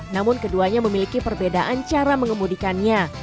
namun keduanya memiliki perbedaan cara mengemudikannya